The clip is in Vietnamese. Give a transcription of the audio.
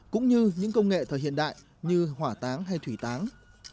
cũng như những công nghệ thời hiện đại như hỏa táng hay thủy táng